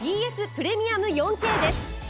プレミアム４Ｋです。